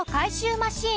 マシーン